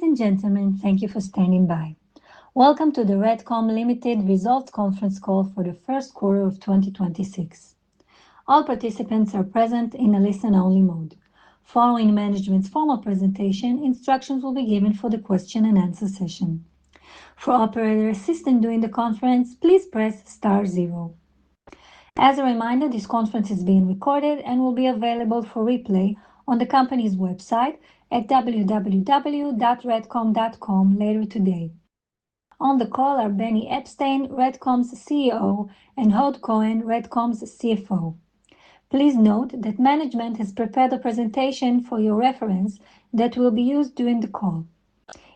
Ladies and gentlemen, thank you for standing by. Welcome to the RADCOM Limited Results Conference Call for the first quarter of 2026. All participants are present in a listen-only mode. Following management's formal presentation, instructions will be given for the question and answer session. For operator assistance during the conference, please press star zero. As a reminder, this conference is being recorded and will be available for replay on the company's website at www.radcom.com later today. On the call are Benny Eppstein, RADCOM's CEO, and Hod Cohen, RADCOM's CFO. Please note that management has prepared a presentation for your reference that will be used during the call.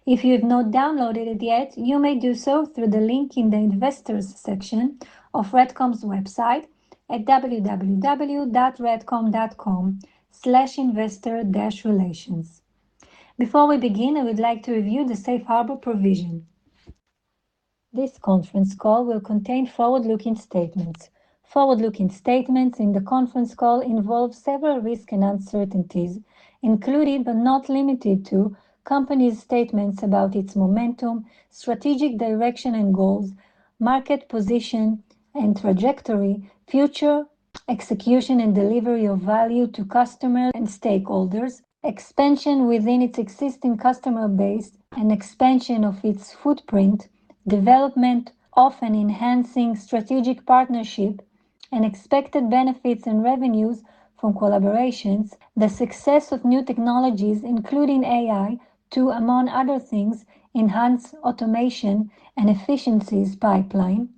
If you have not downloaded it yet, you may do so through the link in the investors section of RADCOM's website at www.radcom.com/investor-relations. Before we begin, I would like to review the safe harbor provision. This conference call will contain forward-looking statements. Forward-looking statements in the conference call involve several risks and uncertainties, including but not limited to company's statements about its momentum, strategic direction and goals, market position and trajectory, future execution and delivery of value to customers and stakeholders, expansion within its existing customer base and expansion of its footprint, development, often enhancing strategic partnership and expected benefits and revenues from collaborations, the success of new technologies, including AI, to, among other things, enhance automation and efficiencies pipeline,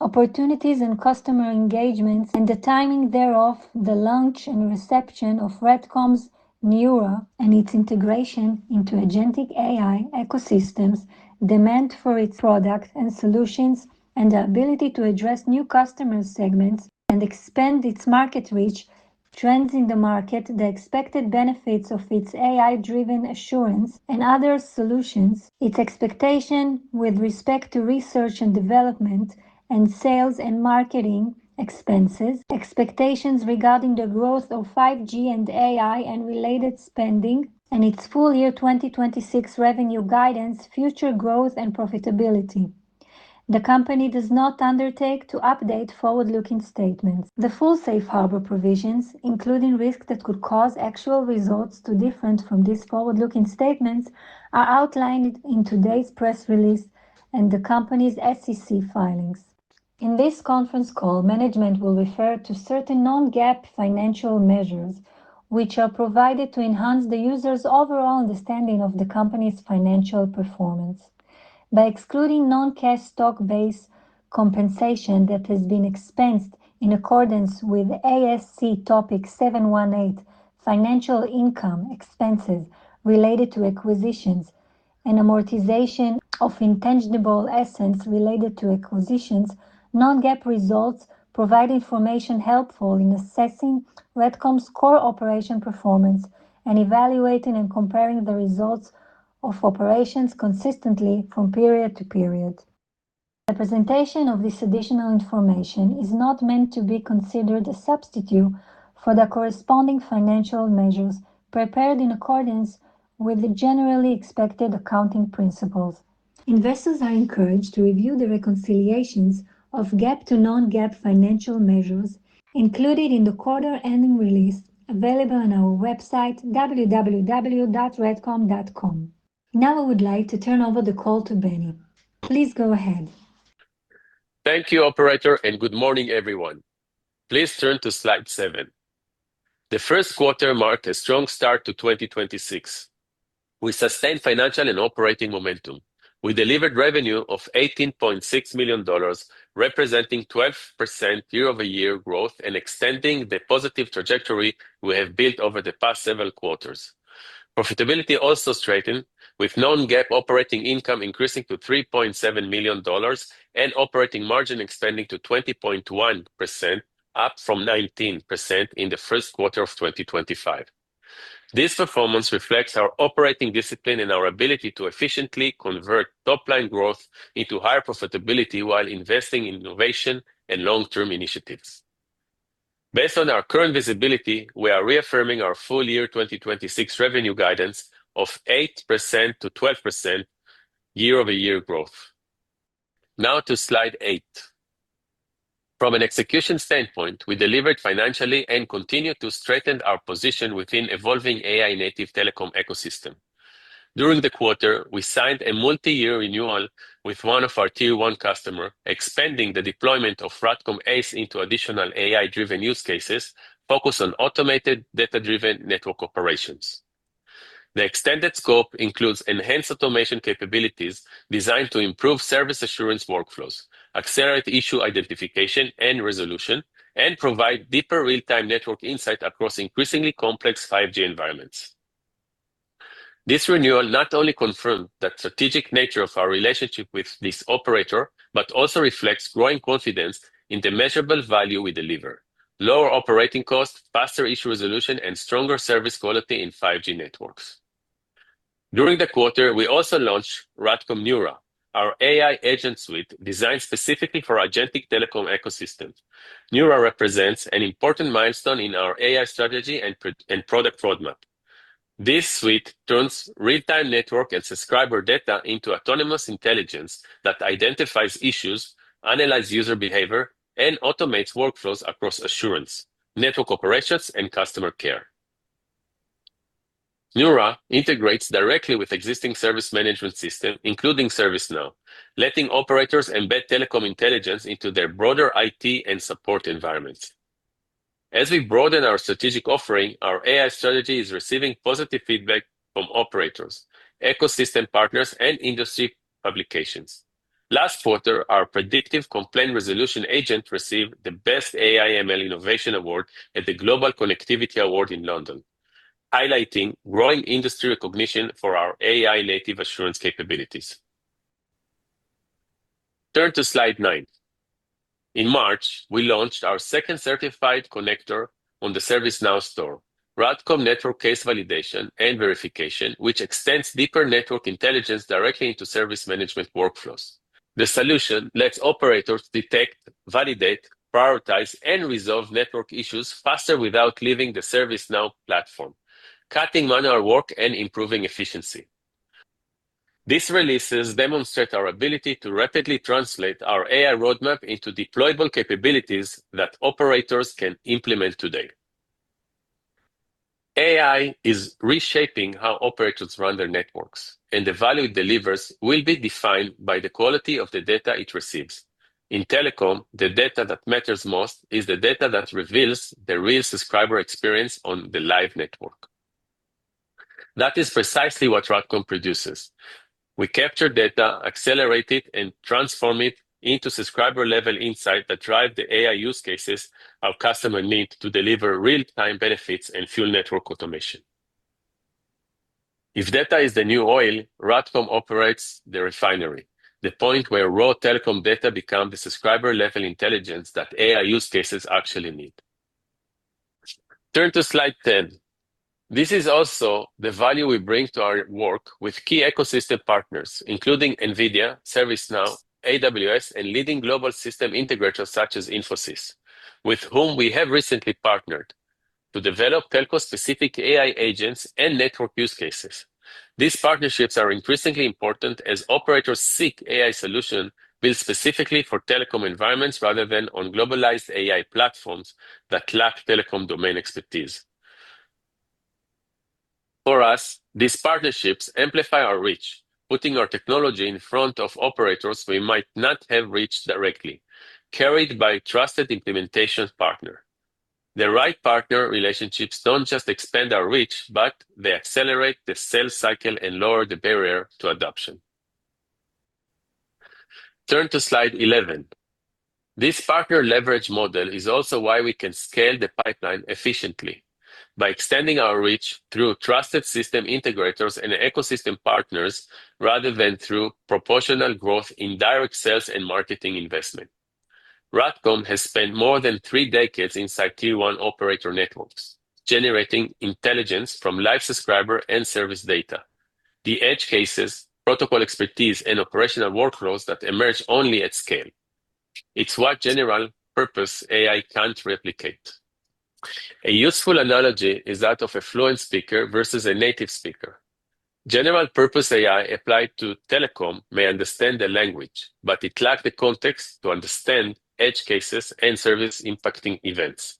opportunities and customer engagements and the timing thereof, the launch and reception of RADCOM Neura and its integration into agentic AI ecosystems, demand for its products and solutions, and the ability to address new customer segments and expand its market reach, trends in the market, the expected benefits of its AI-driven assurance and other solutions, its expectation with respect to research and development and sales and marketing expenses, expectations regarding the growth of 5G and AI and related spending, and its full year 2026 revenue guidance, future growth and profitability. The company does not undertake to update forward-looking statements. The full safe harbor provisions, including risks that could cause actual results to differ from these forward-looking statements, are outlined in today's press release and the company's SEC filings. In this conference call, management will refer to certain non-GAAP financial measures, which are provided to enhance the user's overall understanding of the company's financial performance. By excluding non-cash stock-based compensation that has been expensed in accordance with ASC Topic 718, financial income, expenses related to acquisitions and amortization of intangible assets related to acquisitions, non-GAAP results provide information helpful in assessing RADCOM's core operation performance and evaluating and comparing the results of operations consistently from period to period. Representation of this additional information is not meant to be considered a substitute for the corresponding financial measures prepared in accordance with the Generally Accepted Accounting Principles. Investors are encouraged to review the reconciliations of GAAP to non-GAAP financial measures included in the quarter ending release available on our website, www.radcom.com. Now I would like to turn over the call to Benny. Please go ahead. Thank you, operator. Good morning, everyone. Please turn to slide seven. The first quarter marked a strong start to 2026. We sustained financial and operating momentum. We delivered revenue of $18.6 million, representing 12% year-over-year growth and extending the positive trajectory we have built over the past several quarters. Profitability also strengthened, with non-GAAP operating income increasing to $3.7 million and operating margin expanding to 20.1%, up from 19% in the first quarter of 2025. This performance reflects our operating discipline and our ability to efficiently convert top-line growth into higher profitability while investing in innovation and long-term initiatives. Based on our current visibility, we are reaffirming our full year 2026 revenue guidance of 8%-12% year-over-year growth. Now to slide eight. From an execution standpoint, we delivered financially and continued to strengthen our position within evolving AI-native telecom ecosystem. During the quarter, we signed a multi-year renewal with one of our Tier-1 customer, expanding the deployment of RADCOM ACE into additional AI-driven use cases focused on automated data-driven network operations. The extended scope includes enhanced automation capabilities designed to improve service assurance workflows, accelerate issue identification and resolution, and provide deeper real-time network insight across increasingly complex 5G environments. This renewal not only confirmed the strategic nature of our relationship with this operator but also reflects growing confidence in the measurable value we deliver: lower operating costs, faster issue resolution, and stronger service quality in 5G networks. During the quarter, we also launched RADCOM Neura, our AI agent suite designed specifically for agentic telecom ecosystem. Neura represents an important milestone in our AI strategy and product roadmap. This suite turns real-time network and subscriber data into autonomous intelligence that identifies issues, analyze user behavior, and automates workflows across assurance, network operations, and customer care. Neura integrates directly with existing service management system, including ServiceNow, letting operators embed telecom intelligence into their broader IT and support environments. As we broaden our strategic offering, our AI strategy is receiving positive feedback from operators, ecosystem partners, and industry publications. Last quarter, our predictive complaint resolution agent received the Best AI/ML Innovation award at the Global Connectivity Awards in London, highlighting growing industry recognition for our AI-native assurance capabilities. Turn to slide nine. In March, we launched our second certified connector on the ServiceNow Store, RADCOM Network Case Validation and Verification, which extends deeper network intelligence directly into service management workflows. The solution lets operators detect, validate, prioritize, and resolve network issues faster without leaving the ServiceNow platform, cutting manual work and improving efficiency. These releases demonstrate our ability to rapidly translate our AI roadmap into deployable capabilities that operators can implement today. AI is reshaping how operators run their networks, and the value it delivers will be defined by the quality of the data it receives. In telecom, the data that matters most is the data that reveals the real subscriber experience on the live network. That is precisely what RADCOM produces. We capture data, accelerate it, and transform it into subscriber-level insight that drive the AI use cases our customer need to deliver real-time benefits and fuel network automation. If data is the new oil, RADCOM operates the refinery, the point where raw telecom data become the subscriber-level intelligence that AI use cases actually need. Turn to slide 10. This is also the value we bring to our work with key ecosystem partners, including NVIDIA, ServiceNow, AWS, and leading global system integrators such as Infosys, with whom we have recently partnered to develop telco-specific AI agents and network use cases. These partnerships are increasingly important as operators seek AI solution built specifically for telecom environments rather than on globalized AI platforms that lack telecom domain expertise. For us, these partnerships amplify our reach, putting our technology in front of operators we might not have reached directly, carried by trusted implementation partner. The right partner relationships don't just expand our reach, but they accelerate the sales cycle and lower the barrier to adoption. Turn to slide 11. This partner leverage model is also why we can scale the pipeline efficiently by extending our reach through trusted system integrators and ecosystem partners rather than through proportional growth in direct sales and marketing investment. RADCOM has spent more than three decades inside Tier-1 operator networks, generating intelligence from live subscriber and service data, the edge cases, protocol expertise, and operational workflows that emerge only at scale. It's what general-purpose AI can't replicate. A useful analogy is that of a fluent speaker versus a native speaker. General-purpose AI applied to telecom may understand the language, but it lacks the context to understand edge cases and service-impacting events.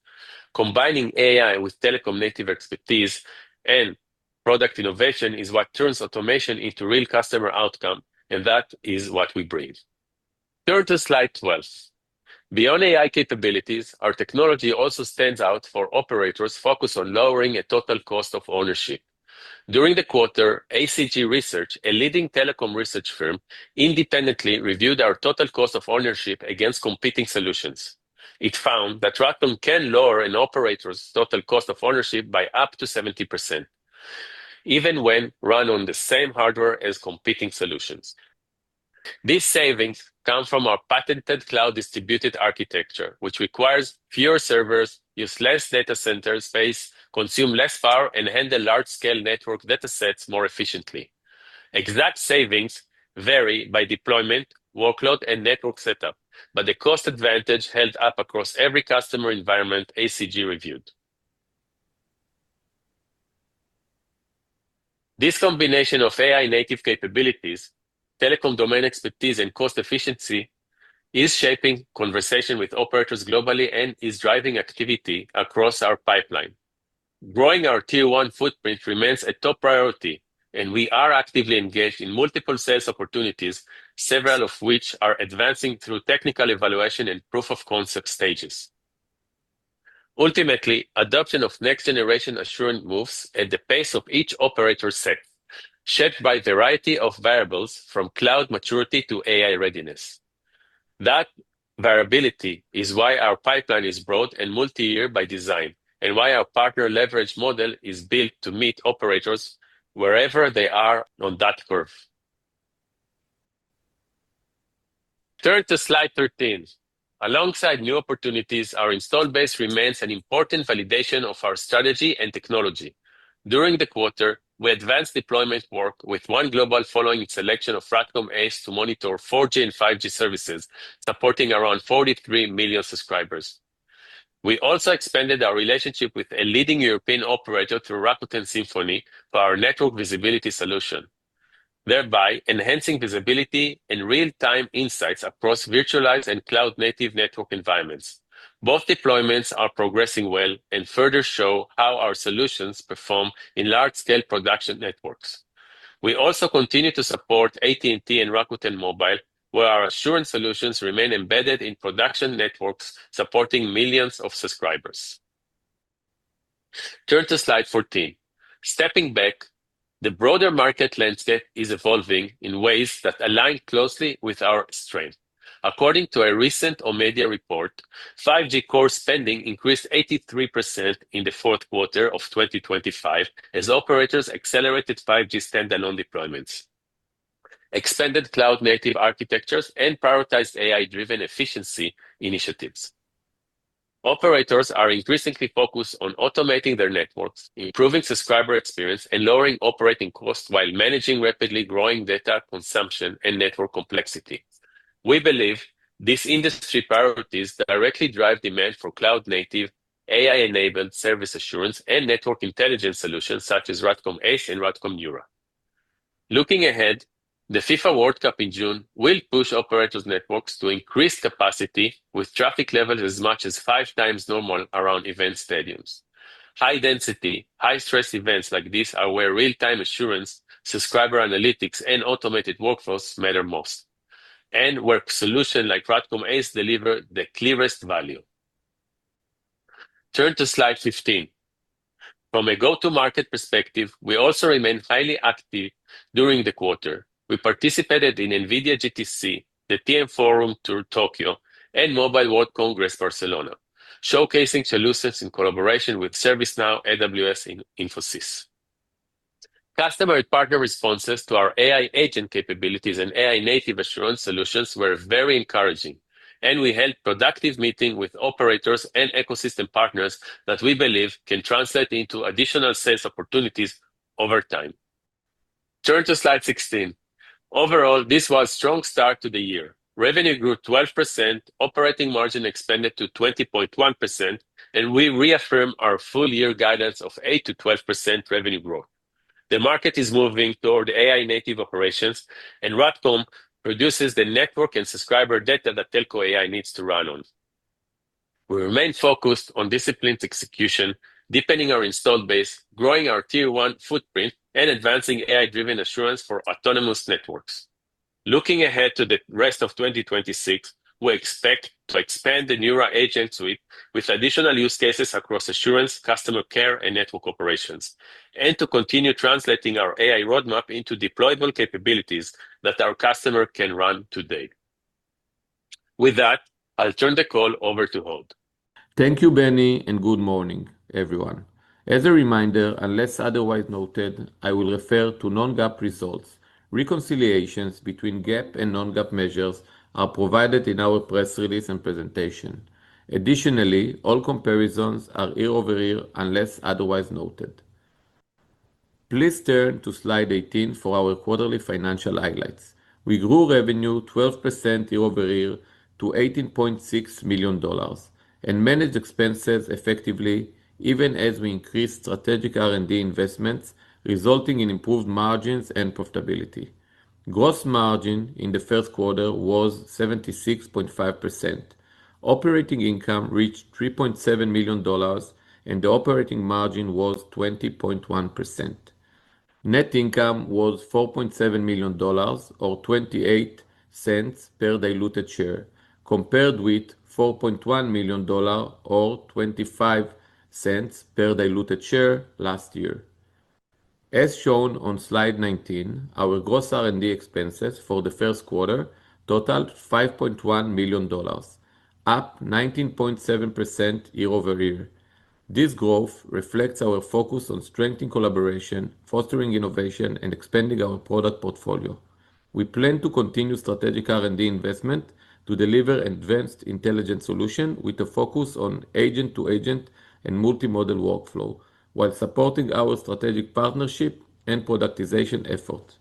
Combining AI with telecom native expertise and product innovation is what turns automation into real customer outcome, and that is what we bring. Turn to slide 12. Beyond AI capabilities, our technology also stands out for operators focused on lowering a total cost of ownership. During the quarter, ACG Research, a leading telecom research firm, independently reviewed our total cost of ownership against competing solutions. It found that RADCOM can lower an operator's total cost of ownership by up to 70%, even when run on the same hardware as competing solutions. These savings come from our patented cloud-distributed architecture, which requires fewer servers, use less data center space, consume less power, and handle large-scale network data sets more efficiently. Exact savings vary by deployment, workload, and network setup, but the cost advantage held up across every customer environment ACG reviewed. This combination of AI-native capabilities, telecom domain expertise, and cost efficiency is shaping conversation with operators globally and is driving activity across our pipeline. Growing our Tier-1 footprint remains a top priority, and we are actively engaged in multiple sales opportunities, several of which are advancing through technical evaluation and proof-of-concept stages. Ultimately, adoption of next-generation assurance moves at the pace of each operator set, shaped by variety of variables from cloud maturity to AI readiness. That variability is why our pipeline is broad and multi-year by design and why our partner leverage model is built to meet operators wherever they are on that curve. Turn to slide 13. Alongside new opportunities, our install base remains an important validation of our strategy and technology. During the quarter, we advanced deployment work with 1GLOBAL following its selection of RADCOM ACE to monitor 4G and 5G services, supporting around 43 million subscribers. We also expanded our relationship with a leading European operator through Rakuten Symphony for our network visibility solution, thereby enhancing visibility and real-time insights across virtualized and cloud-native network environments. Both deployments are progressing well and further show how our solutions perform in large scale production networks. We also continue to support AT&T and Rakuten Mobile, where our assurance solutions remain embedded in production networks, supporting millions of subscribers. Turn to slide 14. Stepping back, the broader market landscape is evolving in ways that align closely with our strength. According to a recent Omdia report, 5G core spending increased 83% in the fourth quarter of 2025 as operators accelerated 5G standalone deployments, extended cloud-native architectures, and prioritized AI-driven efficiency initiatives. Operators are increasingly focused on automating their networks, improving subscriber experience, and lowering operating costs while managing rapidly growing data consumption and network complexity. We believe these industry priorities directly drive demand for cloud-native, AI-enabled service assurance, and network intelligence solutions such as RADCOM ACE and RADCOM Neura. Looking ahead, the FIFA World Cup in June will push operators' networks to increase capacity with traffic levels as much as 5x normal around event stadiums. High density, high stress events like these are where real-time assurance, subscriber analytics, and automated workflows matter most and where solution like RADCOM ACE deliver the clearest value. Turn to slide 15. From a go-to-market perspective, we also remain highly active during the quarter. We participated in NVIDIA GTC, the TM Forum Tour Tokyo, and Mobile World Congress Barcelona, showcasing solutions in collaboration with ServiceNow, AWS, and Infosys. Customer and partner responses to our AI agent capabilities and AI-native assurance solutions were very encouraging. We held productive meetings with operators and ecosystem partners that we believe can translate into additional sales opportunities over time. Turn to slide 16. Overall, this was strong start to the year. Revenue grew 12%, operating margin expanded to 20.1%. We reaffirm our full year guidance of 8%-12% revenue growth. The market is moving toward AI-native operations. RADCOM produces the network and subscriber data that telco AI needs to run on. We remain focused on disciplined execution, deepening our installed base, growing our Tier-1 footprint, and advancing AI-driven assurance for autonomous networks. Looking ahead to the rest of 2026, we expect to expand the Neura agent suite with additional use cases across assurance, customer care, and network operations, and to continue translating our AI roadmap into deployable capabilities that our customer can run today. With that, I'll turn the call over to Hod. Thank you, Benny, and good morning, everyone. As a reminder, unless otherwise noted, I will refer to non-GAAP results. Reconciliations between GAAP and non-GAAP measures are provided in our press release and presentation. Additionally, all comparisons are year-over-year unless otherwise noted. Please turn to slide 18 for our quarterly financial highlights. We grew revenue 12% year-over-year to $18.6 million and managed expenses effectively even as we increased strategic R&D investments, resulting in improved margins and profitability. Gross margin in the first quarter was 76.5%. Operating income reached $3.7 million, and the operating margin was 20.1%. Net income was $4.7 million or $0.28 per diluted share, compared with $4.1 million or $0.25 per diluted share last year. As shown on slide 19, our gross R&D expenses for the first quarter totaled $5.1 million, up 19.7% year-over-year. This growth reflects our focus on strengthening collaboration, fostering innovation, and expanding our product portfolio. We plan to continue strategic R&D investment to deliver advanced intelligent solution with a focus on agent-to-agent and multi-modal workflow while supporting our strategic partnership and productization effort.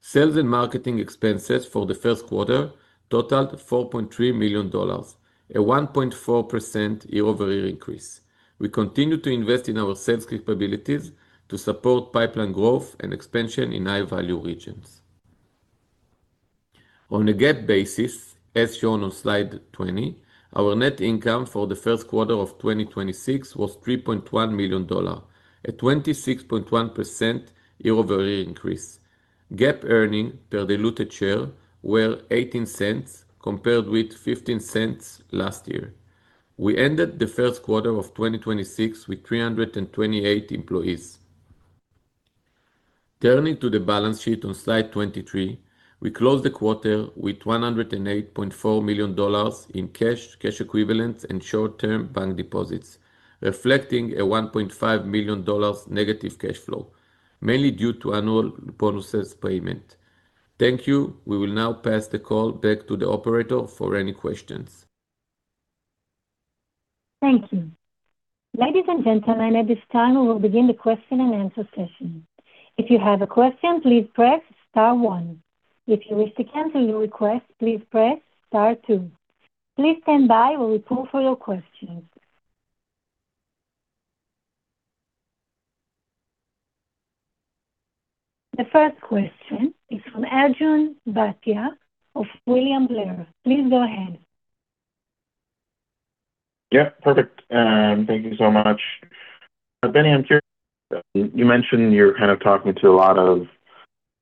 Sales and marketing expenses for the first quarter totaled $4.3 million, a 1.4% year-over-year increase. We continue to invest in our sales capabilities to support pipeline growth and expansion in high value regions. On a GAAP basis, as shown on slide 20, our net income for the first quarter of 2026 was $3.1 million, a 26.1% year-over-year increase. GAAP earning per diluted share were $0.18 compared with $0.15 last year. We ended the first quarter of 2026 with 328 employees. Turning to the balance sheet on slide 23, we closed the quarter with $108.4 million in cash equivalents, and short-term bank deposits, reflecting a $1.5 million negative cash flow. Mainly due to annual bonuses payment. Thank you. We will now pass the call back to the operator for any questions. Thank you. Ladies and gentlemen, at this time, we will begin the question and answer session. If you have a question, please press star one. If you wish to cancel your request, press star two. Please stand by [inaudible] for your questions. The first question is from Arjun Bhatia of William Blair. Please go ahead. Yeah. Perfect. Thank you so much. Benny, I'm curious, you mentioned you're kind of talking to a lot of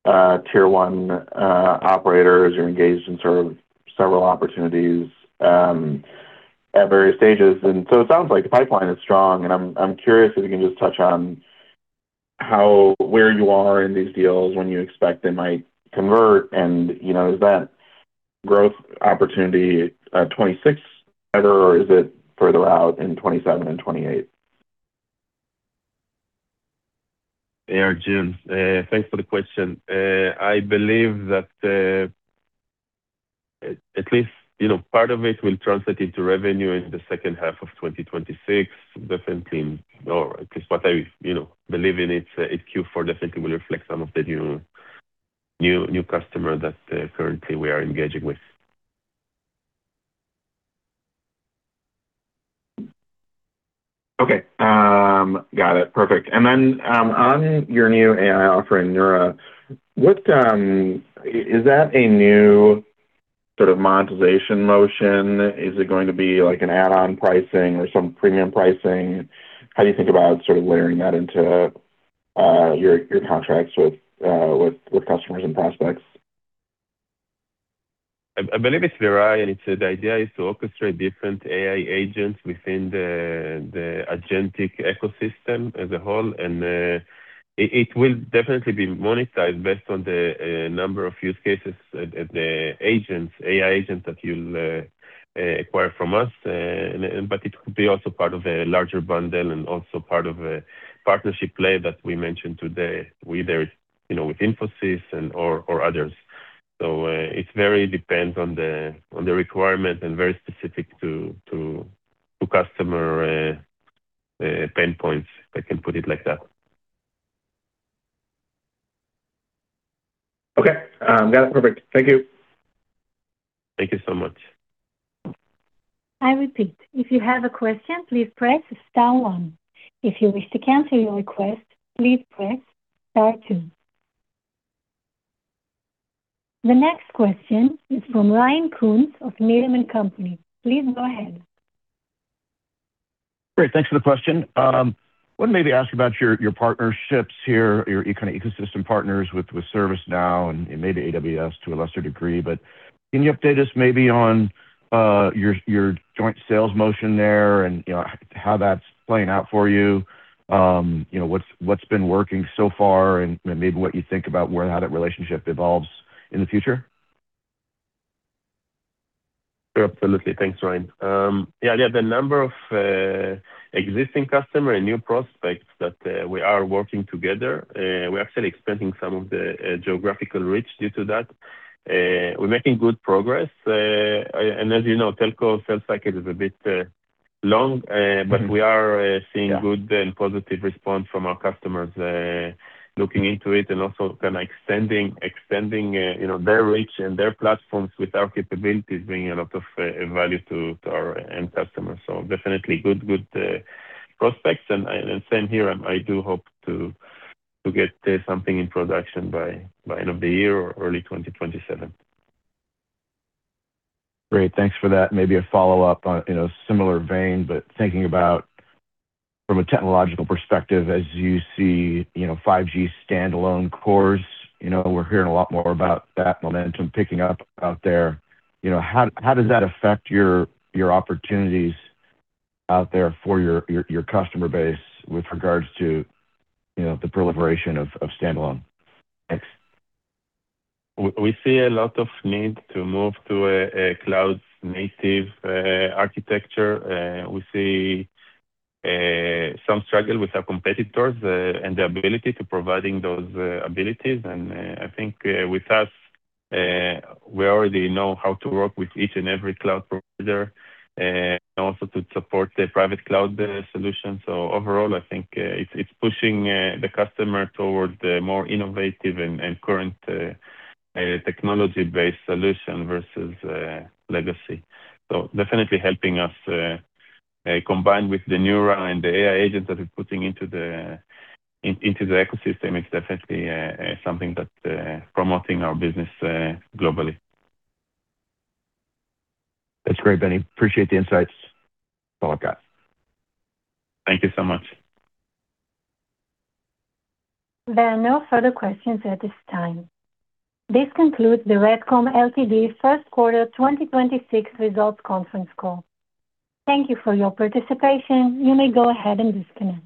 Tier-1 operators. You're engaged in sort of several opportunities at various stages, it sounds like the pipeline is strong. I'm curious if you can just touch on how, where you are in these deals, when you expect they might convert, and, you know, is that growth opportunity 2026 better or is it further out in 2027 and 2028? Arjun, thanks for the question. I believe that, at least, you know, part of it will translate into revenue in the second half of 2026, definitely. At least what I, you know, believe in it's Q4 definitely will reflect some of the new customer that currently we are engaging with. Okay. Got it. Perfect. On your new AI offering Neura, is that a new sort of monetization motion? Is it going to be like an add-on pricing or some premium pricing? How do you think about sort of layering that into your contracts with customers and prospects? I believe it's variety. The idea is to orchestrate different AI agents within the agentic ecosystem as a whole, it will definitely be monetized based on the number of use cases, the agents, AI agents that you'll acquire from us. It could be also part of a larger bundle and also part of a partnership play that we mentioned today with either, you know, with Infosys and, or others. It very depends on the requirement and very specific to customer pain points. I can put it like that. Okay. Got it. Perfect. Thank you. Thank you so much. The next question is from Ryan Koontz of Needham & Company. Please go ahead. Great. Thanks for the question. Wanted to maybe ask about your partnerships here, your kinda ecosystem partners with ServiceNow and maybe AWS to a lesser degree. Can you update us maybe on your joint sales motion there and, you know, how that's playing out for you? You know, what's been working so far and maybe what you think about where how that relationship evolves in the future? Sure, absolutely. Thanks, Ryan. Yeah, the number of existing customer and new prospects that we are working together, we're actually expanding some of the geographical reach due to that. We're making good progress. As you know, telco sales cycle is a bit long. We are— Yeah. Seeing good and positive response from our customers, looking into it and also kinda extending, you know, their reach and their platforms with our capabilities, bringing a lot of value to our end customers. Definitely good prospects. Same here, I do hope to get something in production by end of the year or early 2027. Great. Thanks for that. Maybe a follow-up on, you know, similar vein, but thinking about from a technological perspective as you see, you know, 5G standalone cores, you know, we're hearing a lot more about that momentum picking up out there. You know, how does that affect your opportunities out there for your customer base with regards to, you know, the proliferation of standalone? Thanks. We see a lot of need to move to a cloud-native architecture. We see some struggle with our competitors and the ability to providing those abilities. I think with us, we already know how to work with each and every cloud provider and also to support the private cloud solution. Overall, I think it's pushing the customer towards the more innovative and current technology-based solution versus legacy. Definitely helping us combine with the Neura and the AI agents that we're putting into the ecosystem. It's definitely something that promoting our business globally. That's great, Benny. Appreciate the insights. Thank you so much. There are no further questions at this time. This concludes the RADCOM Ltd. first quarter 2026 results conference call. Thank you for your participation. You may go ahead and disconnect.